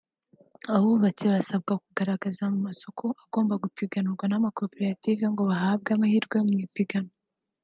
Abubatsi basabwe kugaragaza amasoko agomba gupiganirwa n’amakoperative ngo bahabwe amahirwe mu ipiganwa